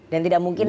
dan tidak mungkin